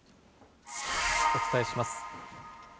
お伝えします。